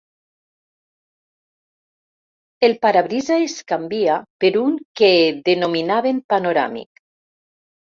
El parabrisa es canvia per un que denominaven panoràmic.